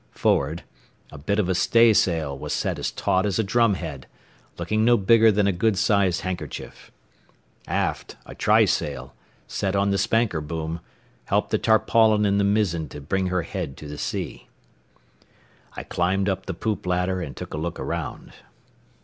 Forward, a bit of a staysail was set as taut as a drumhead, looking no bigger than a good sized handkerchief. Aft, a trysail, set on the spanker boom, helped the tarpaulin in the mizzen to bring her head to the sea. I climbed up the poop ladder and took a look around.